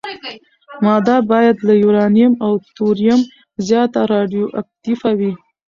ماده باید له یورانیم او توریم زیاته راډیواکټیفه وي.